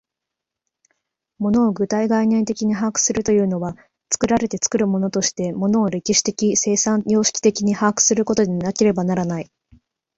物を具体概念的に把握するというのは、作られて作るものとして物を歴史的生産様式的に把握することでなければならない。